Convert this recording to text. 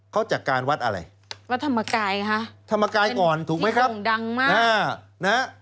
เขาจัดการวัดอะไรวัดธรรมกายคะธรรมกายก่อนถูกไหมครับด่งดังมากอ่านะฮะ